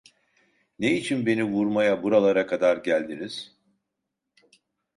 Ne için beni vurmaya buralara kadar geldiniz?